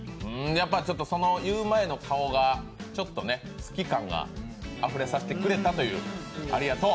言う前の顔がちょっとね、好き感をあふれさせてくれたと、ありがとう。